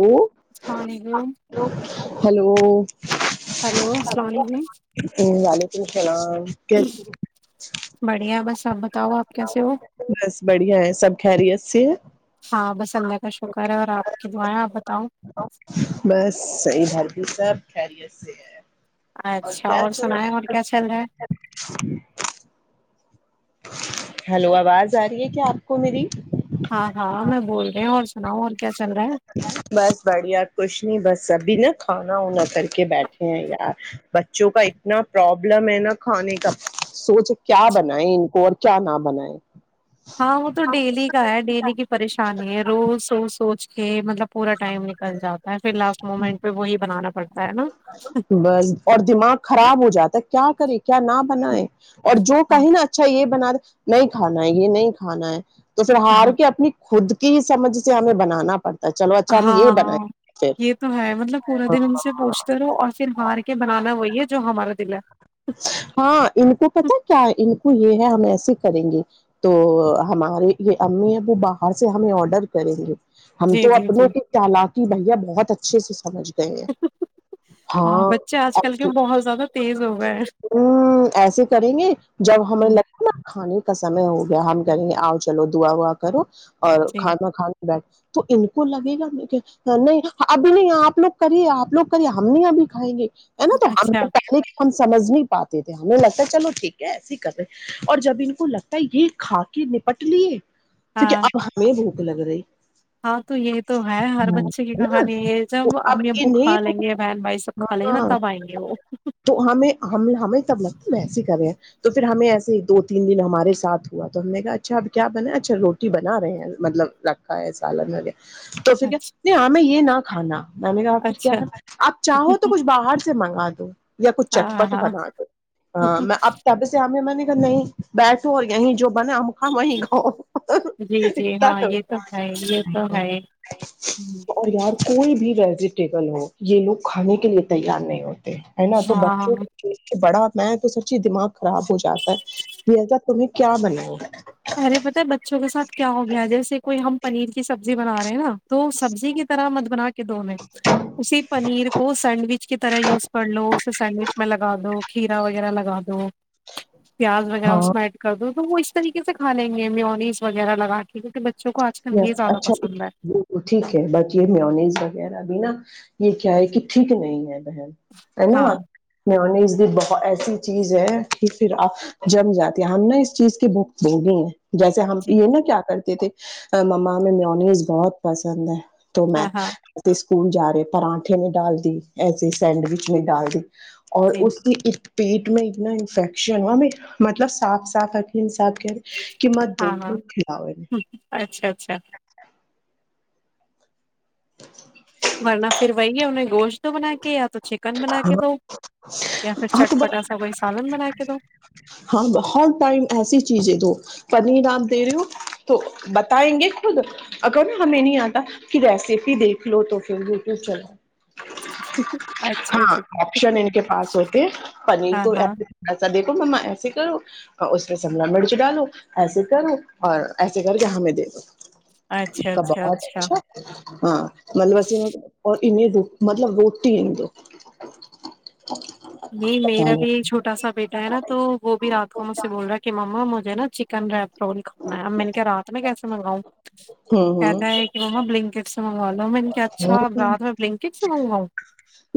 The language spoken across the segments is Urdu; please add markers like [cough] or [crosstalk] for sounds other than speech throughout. ا السلام علیکم ہیلو ہلو السلام علیکم وعلیکم اللام کیسے بڑھیا بس آپ بتاؤ آپ کیسے ہو بس بڑھیا ہے سب خیریت سے ہے ہاں بس اللہ کا شکر ہے اور آپ کی دعائیں آپ بتاؤ یہ سب کیریئر سے ہے اور اچھا پ سنائیں اور کیا چل رہا ہے ہلو آواز آ رہی ہے کیا آپ کو میری ہاں ہاں میں بول رہی ہوں اور سناؤ اور کیا چل رہا ہے بس بڑھیا کچھ نہیں بس سبھی نا کھانا وناا کر کے بیٹھے ہیں یار بچوں کا اتنا پرابلم ہے نا کھانے کا سوچ کیا بنائے ان کو اور کیا نہ بنائے ہاں وہ تو ڈیلی کا ہے ڈیلی کی پریشانی ہے روز سو سوچ یہ مطلب پورا ٹائم نکل جاتا ہے پھر لاسٹ مومنٹ پہ وہی بنانا پڑتا ہے نا بس اور دماغ خراب ہو جاتا ہے کیا کرے کیا نہ بنائے اور جو ہاں کہیں نا اچھا یہ بنا رہ نہیں کھانا ہے یہ نہیں کھانا ہے تو س ہار ہاں کے اپنی خود کی سمجھ سے ہمیں بنانا پڑتا ہے چلو اچھا ہم یہ بنائیں ہاںاں گے پھر یہ تو ہے مطلب پورا دن ان سے پوچھتے و اور پر ہار کے بنانا وہی ہے جو ہمارا دل ہے ہاں ان کو پتا کیا ان کو یہ ہے ہم ایسے کریں گے تو ہمارے یہ امی ہے وہ باہر سے ہمیں آڈر کریں گے ہم جی تو جی اپنے کے جی تالقی بھیا بہت اچھے سے سمجھ گئے ہیں ہاں بچے آج کل کے بہت زیادہ تیز ہو گئے ہیں ایسے کریں گے جب ہمیں ہوں، لگے نا کھانے کا سمے ہو گیا ہم کہیں گے آؤ چلو دعا ووا کرو اور جی کھانا کھانا بیٹھ تو ان کو لگے گا نہیں ابھی نہیں آپ لوگ کریے آپ لوگ کریے ہم نہیں ابھی کھائیں گے ہے نا تو ہم اچھا تو تع ہم سمجھ نہیں پاتے تھے ہمیں لگتا ہے چلو ٹھیک ہے ایس ہی کر رہے اور جب ان کو لگتا ہے یہ کھا کے نپٹ لیے کیکہ ہاں اب ہم لگ رہای ہاں تو یہ تو ہے ہر بچے کی کہانی یہ جب اب امی ابو انہیں کھا لیں گے بہن بھائی سب کھا لیں گے نا ہاں تب آئیں گے وہ تو ہم ہمیں تب لگتا ہے ایسے کر رہے ہیں تو پھر ہمیں ایسے ہی دو تین دن ہمارے سھ ہوا تو ہم نے کہا اچھا اب کیا بنا ہے اچھا روٹی بنا رہے ہیں مطلب رکھا ہے سالن میںیرہ تو پھر کیا اچھا نہیں ہاںیں یہ نہ کھانا میں نے پھر کیا اچھا کھانا آپ چاہو تو کچھ باہر سے منگا دو تو [unintelligible] یا کچھ ہاں چٹپٹ ہاں بنا دو میں اب تب سےیں میں نے نہیں بیٹھو اور یہیں جو م ہمخ میں جی جی گا ہاں تو یہ ہے یہ تو ہے ہوں، اورار کوئی بھی رہے ویٹیبل ہو یہ لوگ کھانے کے لیے تیار نہیں ہوتے ہے نا تو بچوں ہاں کو کھیل کے بڑا میں تو سچی دماغ خراب ہو جاتا ہے کہ ایسا تمہیں کیا بنا ہو ہے ارے پتہ ہے بچوں کے ساتھ کیا ہو گیا ہے، جیسے کوئی ہم پنیر کی سبزی بنا رہے ہیں نا تو سبزی کی طرح مت بنا کے د میں اسی پنیر کو سینڈوچ کی طرح یوز کر لو اسے سینڈوچ میں لگا لو کھیرا وغیرہ لگا دو پیاز ر ہاں گامس میںائٹک دو تو وہ اس طریقے سے کھانیں گے میونیز وغیرہ لگا کے بچوں کو آج کل یہ زیادہ اچھا پسند ہے ٹھیک ہے بق یہ میونیز وغیرہ بھی نا یہ کیا ہے کہ ٹھیک نہیں ہے ہے نا ہاں ن بہت ایسی چیز ہے کہ پھر آ جم جاتی ہیں ہم نہا اس چیز کی بکت بوگی ہیں جیسے ہم جی یہ نا کیا کرتے ج تھ [unintelligible] مما میں میونیز بہت پسند ہے ہاں ہاں [inaudible] اسکول جا رہے پراٹھے نہیں ڈال دی ایسے سینڈوچ نہیں ڈال دی اور جی اس کی پیٹ میں اتنا انفیکشن ہوا مطلب صاف صاف رکھےساب کہ ماں ہاں ہاں دوپوت پھیلا ہوئے نے ہوں، اچھا اچھا ورنہ پھر وہی ہے انہیں گوشت بنا کے یا تو چھ چٹپٹا سا کوئی سالن بنا کے دو ہاں بہت ٹائم ایسی چیز ہے پنیر آپ دے رہے ہو تو بتائیں گے خود اگر نا ہمیں نہیں آتا کہ ریسیپی دیکھ لو تو پھر یوٹیوب چل اچ ہاں آپشن ان کے پاس ہوتے پنیر ہاں تو ہاں ایسے تھوڑا سا د مما ایسے کرو اور اس پہ شملہ مرچ ڈالو ایسے کرو اور ایسے کر کے ہمیں دے دو ایک اچھا اچھا کبات اچھا ہاں مطلب ا ر مطلب روٹی دو [inaudible] نہیں پتا میرا بھی چھوٹا سا بیٹا ہے نا تو وہ بھی رات کو مجھ سے بول رہا ہے کہ مما مجھے نا چ کنرا رول کھاننا ہے اب میں نے کیا رات میں کیس منگاؤں نہیں ہوں کہتا ہے کہ مما بلنکٹ سے منگا لو میں نے کیا اچھا رات میں بلنکٹ سے منگاؤں [inaudible]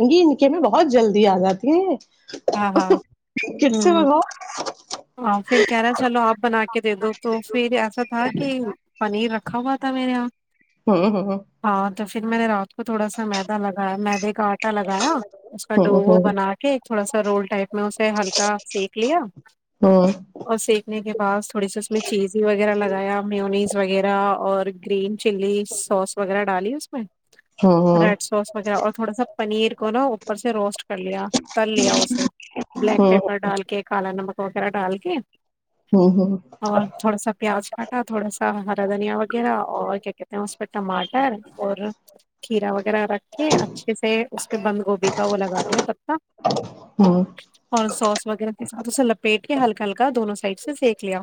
انگی ان کے میں بہت جلدی آ جاتی ہیں ہاں ہاں کٹ سے ہ بگاؤ ہ پھر کہ رہا چلو آپ بنا کے دے دو تو پھر ایسا تھا کہ پنیر رکھا ہوا تھا میرے یہاں ہ ہ ہاں تو پھر میں نے را اس کو تھوڑا سا میدا لگایا مدے کا آٹا لگایا نا اس کا ہ ڈ ہ وہ ہ بنا کے تھوڑا سا رول ٹائپ میں اسے ہلکا سینک لیا اور سینکنے کے بعد تھوڑی سی اس میں چیزی وغیرہ لگایا پنیز وغیرہ اور گرین چلی سوس وغیرہ ڈالی میں ہ ریڈ سوس وغیرہ اور تھوڑا سا پنیر کو نا اوپر سے روسٹ چلیا تل لیا اسے بلیک پیپر ڈال کے کالا نمک پغیرا ٹال کے ہ اور تھوڑا سا پیاز کاٹا تھوڑا سا ہرا دھنیا وغیرہ اور کیا کہتے ہیں اتم اور کھیرا وغیرہ رکھ کے اچھے سے اس پہ بند گوبھی کا وہ لگا دیا تب تک ہ اور سو وغیرہ کے ساتھ اسے لپیٹ کے ہلکا ہلکا دونوں سائڈ سے سیک لیا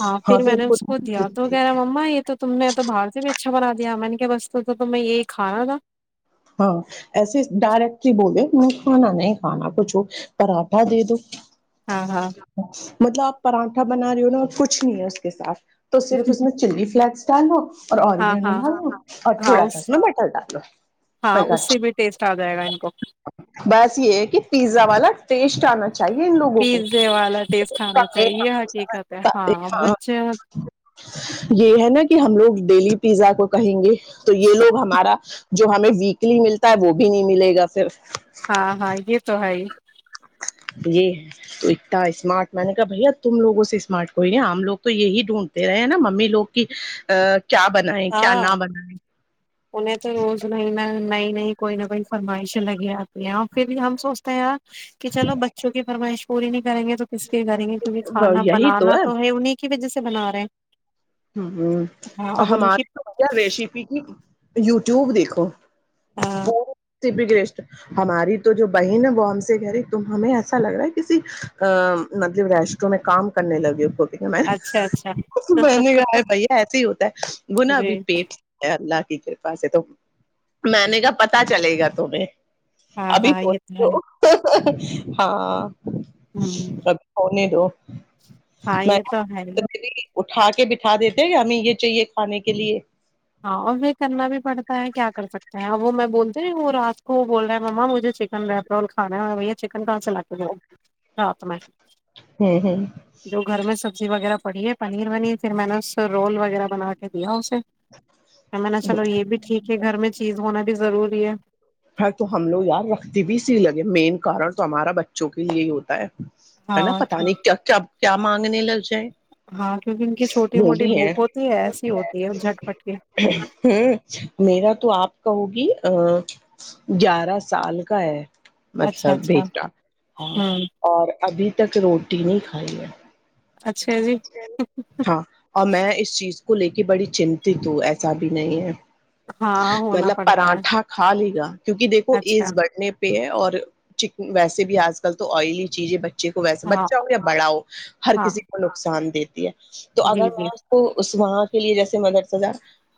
ہاں پھر تو میں ان نے اس کو دیا ٹھیک تو کہہ ہے رہا ما یہ تو تم نے تو باہر سے بھی اچھا بنا دیا میں نے کیا بس تو تم یہی کھانا تھا ہاں ایسے ڈائریکٹلی بول د کھانا نہیں کھانا کچھ پراٹھا دے دو ہاں ہاں [unintelligible] مطلب آپ پراٹھا بنا رہی ہو نا کچھ نہیں ہے اس کے ساتھ تو صرف اس میں چلی فلیکس لو اور ہاں اوررگینو ہاں ڈال اور تھوڑا سا اس میں بٹر ڈالو ہاں اس سے بھی ٹیسٹ آ جائے گا ان کو بس یہ ہے کہ پیزا والا ٹیسٹ آنا چاہیے ان لوگوں پیزے والا ٹیسٹ آنا کواں چاہیے یہ حقیقت ہے ہاں بچے یہ ہے نا کہ ہم لوگ ڈیلی پیزا کو کہیں گے تو یہ لوگ ہمارا جو ہمیں و لی ملتا ہے وہ بھی نہیں ملے گا پھر ہاں ہاں یہ تو ہے ہی یہ ہے تو اتنا اسمارٹ میں نے کہا بھیا تم لوگوں سے اسمارٹ کوئی نہیں ہم لوگ تو یہی ڈھونڈتے رہے ہیں نا ممی لوگ کی ا کیا بنائے کیا ہاں نہ بنائے نہیں نہیں کوئی نہ کوئی فرمائشیں لگی آتی ہیں اور پھر بھی ہم سوچتے ہیں آپ کہ چلو بچوں کی فرمائش پوری نہیں کریں گے تو کس کے کریں گے کیونکہ کھانا یہی بنانا تو ہے انہیں کی وجہ سے بنا رہے ہیں ہ ہ ہاں تو اب ہم ان کی آار ریسیپی کی یوٹیوب دیکھو ہاں اور ہماری تو جو بہن ہے وہ ہم سے گری ت ہمیں ایسا لگ رہا ہے کسی مطلب ریسٹرو میں کام کرنے لگے کو میں اچھا اچھا بنے کا ارے بھیا ایسے ہی ہوتا ہے وہ نہ ابھی جی پیٹ سے اللہ کی کرپا سے تو میں نے کہا پتا چلے گا تمہیں ہاں ہاں یہ تو ہے [unintelligible] ہاں ہ ابھی ہونے دو [inaudible] ہاں میں یہ تو ہی اٹھا کے اٹھا دیتے ہیں کہ ہمیں یہ چاہیے کھانے کے لیے ہاں اور بھائی کرنا بھی پڑتا ہے کیا کر سکتے ہیں اب وہ میں بولتے وہ رات کو بول رہے ہے ماما مجھے چکن ریپرول کھانا ہے بھیا چکن کہاں چلا کے رات میں ہوں ہوں جو گھر میں سبزی وغیرہ پڑی ہے پنیر ونیر پھر میں نے رول وغیرہ بنا کے دیا اسے میں نے چلو یہ بھی ٹھیک ہے گھر میں چیز ہونا بھی ضروری ہے تو ہم لوگ یار رکھتے بھی سی لگے مین کارن تو ہمارا بچوں کے لیے ہی ہوتا ہے ہے ہاں نا پتا نہیں کیا کیا کیا مانگنے لگ جائیں ہاں کیونکہ ان کی چھوٹی موٹی موڈی بھوک ہیں ہوتی ہے ایسی ہوتی ہے جٹ پٹ کے ہوں میرا [unintelligible] گیارہ سال کا ہے اچھا مطلب اچھا بیٹا ہاں ہوں اور ابھی تک رو روٹی نہیں کھائیے ہے اچھا جی ہاں اور میں اس چیز کو لے کے بڑی چنتت ہو ایسا بھی نہیں ہے ہاں ہونا مطلب پڑتا ہے پراٹھا کھا لیے گا کیونکہ دیکھو اچھا ایج بڑنے پر پہ ہے اور ویسے بھی آج کل تو آئلی چیزیں بچے کو ویسے ہاں بچا ہو یا بڑا ہو ہر ہاں کسی نقصان دیتی ہے تو جی اگر جی میں اس کو اس وہاں کے لیے جیسے مدرس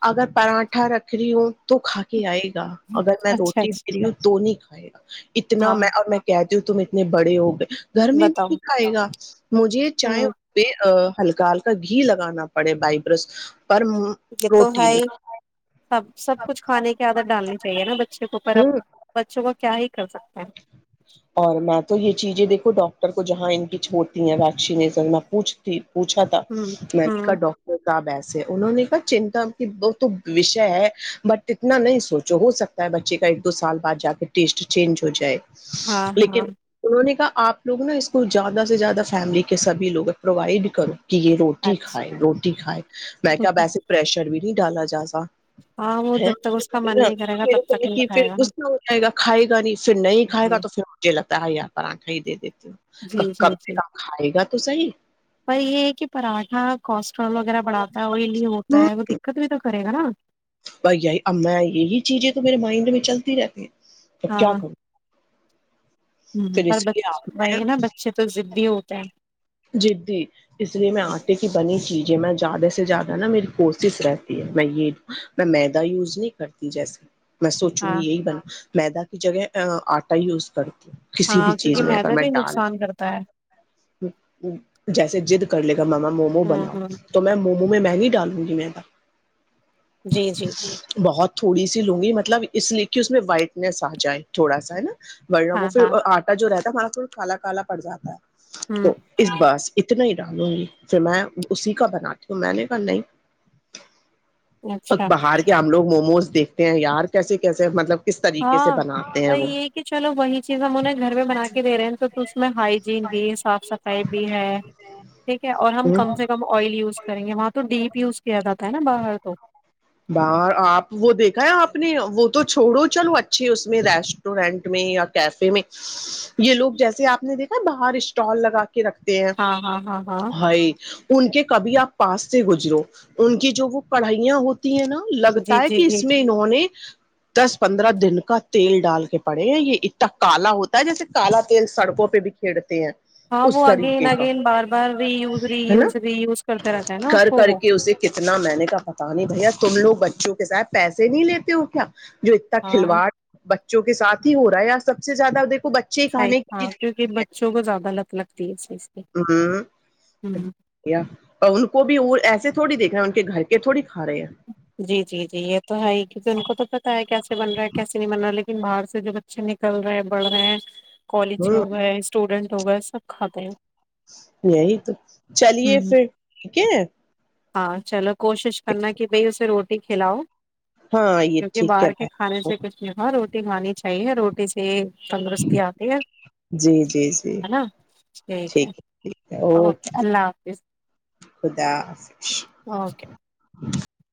اگر پراٹھا رکھ رہی ہوں تو کھا کے آئے گی اگر میں اچھا روٹی اچھا دے رہی ہوں تو نہیں [unintelligible] اتنا ہاں میں اور میں کیا تم اتنے بڑے ہو گئے گھر میں بتاؤ بھی کائے گا مجھے چائے ہوں پہ ہلکا ہلکا گھی لگانا پڑے بائبرس پر یہ تو روٹی ہے ہی نہیں سب سب کچھ کھانے کی عادت ڈالنی چاہیے نا بچے کو اور ہوں اب بچوں وہ کیا ہی کر سکتے ہیں اور میں تو یہ چیزیں دیکھوں ڈاکٹر کو جہاں ان کی چھوڑتی ہیں ویکسینیسن میں پوچھتی پوچھا تھا ہوں میں نے کا ہوں ڈاکٹر کتاب ایسے انہوں نے کہا چنتا کی وہ تو وشے ہے بٹ اتنا نہیں سوچو ہو سکتا ہے بچے کا ایک دو سال بعد جا کے ٹیسٹ چینج ہو جائے ہاں لیکن ہاں انہوں نے کہ آپ لوگ نا اس کو زیادہ سے زیادہ فیملی کے سبھی لوگ ہیں پرووائڈ کرو کہ یہ روٹی اچھا کھائے روٹی کھائے میں کیا وسے پرریشر بھی نہیں ڈالا جا سا ہاں وہ ےے جب تک اس کا من نہیں کرے گا تب تک نہیں پھر کھائے گا نا کا ہو جائے گا کھائے گا نہیں پھر نہیں کھائے گا جی تو پھر مے لگتا ہے یار آنھا دے دیتے جی جی جی صحیح پر یہ ہے کہ پراٹھا کوسٹرول وغیرہ بڑھاتا ہے وہی لیے ہوتا ہے وہ دقت بھی تو ے گ نا بھائیائی ا یہی چیزیں تو میرے مائنڈ میں چلتی رہتی ہیں اب کیا کرو ہ پر میں وہی نا بچے تو دی ہوتے ہیں جدی اس لیے میں آٹے کی بنی جیے میں زیادہ سے زیادہ نا میری کوسش رہتی ہے میں یہ میں میدا یوز نہیں کرتی جیسے میں سوچوں ہاں گی یہی با میدا کی جگہ آٹا یوز کر ہاں کیونکہ میدا بھی نقصان کرتا ہے جیسے جد کر لیتے ماما مومو ہوں بناؤ ہوں تو میں مومو نہ میں نہیں ڈالوں گی میں ت جی جی بہت تھوڑی سی لوںگی مطلب اس لیے کہ اس میں وائٹنیس آ جائے تھوڑا سا ہے نا ڑنا وہ ہاں پھر ہاں آٹا جو رہتا ما بالکل کالا کالا پڑ جاتا ہے ہوں تو اس بس اتنا ہی ڈالوں گی پھر میں اسی کا بناتی ہوں میں نے کہا نہیں ا اچھا باہر کے ہم لوگ موموز دیکھتے ہیں یار کیسے کیسے مطلب کس طریقے سے ہاں بناتے ہیں وہ یہ کہ چلو وہی چیز ہم انہیں گھر میں بنا کے دے رہے ہیں تو تو اس میں ہائیجین بھی سب صاف صفائی بھی ہے ٹھیک ہے اور ہم کم سے کم آئل یوز کریں گے وہاں تو ڈیپ [unintelligible] کیاد تھا ہے نا باہر تو باہر آپ وہ دیکھا ہے آپ نے وہ تو چھوڑو چلو اچھے اس میں ریسٹورینٹ میں یا کیفے میں یہ لوگ جیسے آپ نے دیکھا ہے باہر اسٹال لگا کے رکھتے ہیں ہاں ہاں ہاں ہاں ہائی ان کے کبھی آپ پاس سے گزرو ان کی جو وہ پڑھائیاں ہوتی ہے نا جی لگتا ہے جی کہ جی اس میں انہوں نے دس پندرہ دن کا تیل ڈال کے پڑے ہیں یہ اتنا کالا ہوتا ہے جیسے کالا تیل سڑکوں پہ بھی کھیڑتے ہیں ہاں اس وہ اگین طریقے کا اگین بار بار ری یوز ری ہے نا یوز ری یوز کرتے رہتا ہے نا اس کر کو کر وہ کے اسے کتنا میں نے کا پتا نہیں بھیا لوگ بچوں کے ساتھ پیسے نہیں لیتے ہو کیا جو اتنا ہاں کھلواڑ ب جو کہ سھ ہی ہو رہا ہے ار سب سے زیادہیک اھ ہاں کیونکہ بچوں کو زیادہ لت لگتی ہے اس چیز سے ہ اور ان کو بھی اور ایسا تھوڑی دیکھ رہے ہیں ان کے گھر کے تھوڑی کا رہے ہیں جی جی جی یہ تو ہے ہی کیونکہ ان کو تو پتا ہے کیسے بن رہا ہے کیسے نہیں بن رہا لیکن باہر سے جو بچے نکل رہے بڑھ رہے ہیں کالج کیا ہوں ہوا ہے اسٹوڈنٹ لگ سب کھاتے ہیں یہی تو چلیے ہوں پھر ٹھیک ہے ہاں چلو کوشش کرنا کہ بھائی اسے رو دیکھھیلاؤ ہاں یہ کیونکہ ٹھیک باہر کے ہے کھانے سے کچھ نار ہوتی ر کھانی چاہیے روٹی سے تندرستی آتی ہے جی جی جی ہے نا ٹھیک ہے اوکے اللہ حافظ [inaudible] اوکے [inaudible]